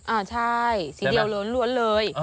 อ่าใช่สีเดียวล้วนเลย